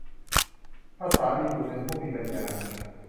พระสารีบุตร เป็นผู้มีปัญญา